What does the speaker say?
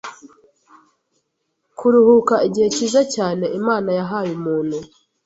kuruhuka igihe cyiza cyane Imana yahaye umuntu